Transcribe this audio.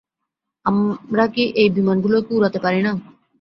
আমরা কি এই বিমানগুলোকে উড়াতে পারি না?